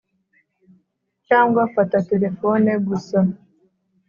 cyangwa fata terefone gusa.